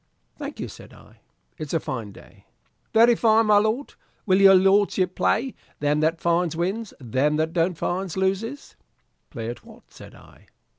"Thank you," said I; "it's a fine day." "Very fine, my lord. Will your lordship play? Them that finds, wins them that don't finds, loses." "Play at what?" said I.